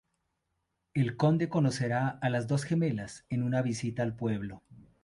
El conde conocerá a las dos gemelas en una visita al pueblo.